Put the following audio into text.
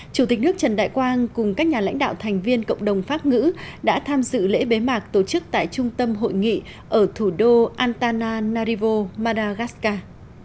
chủ tịch nước trần đại quang cùng các nhà lãnh đạo thành viên cộng đồng pháp ngữ đã tham dự lễ bế mạc tổ chức tại trung tâm hội nghị ở thủ đô antana narivo madagascar